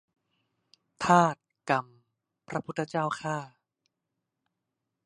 ทาส-กรรม พระ-พุทธ-เจ้า-ข้า